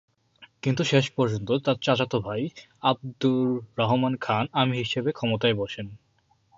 কিন্তু শেষপর্যন্ত তার চাচাত ভাই আবদুর রহমান খান আমির হিসেবে ক্ষমতায় বসেন।